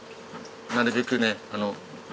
なるべくね